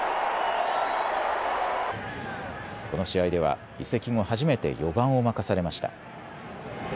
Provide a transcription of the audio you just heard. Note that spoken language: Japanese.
この試合では移籍後、初めて４番を任されました。